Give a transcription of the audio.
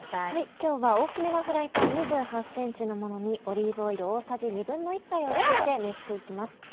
今日は大きめのフライパン２８ｃｍのものにオリーブオイル大さじ１／２杯を引いて熱して行きます。